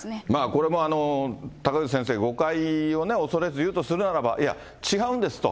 これも高口先生、誤解を恐れず言うとするならば、いや、違うんですと。